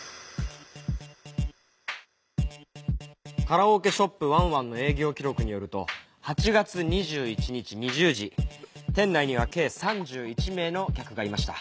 カラオケショップわんわんの営業記録によると８月２１日２０時店内には計３１名の客がいました。